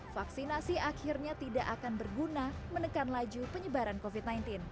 vaksinasi akhirnya tidak akan berguna menekan laju penyebaran covid sembilan belas